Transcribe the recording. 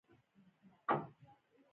بریالۍ کيسې لري.